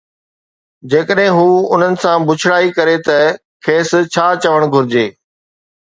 جيڪڏھن ھو انھن سان بڇڙائي ڪري تہ کيس ڇا چوڻ گھرجي؟